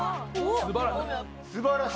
素晴らしい。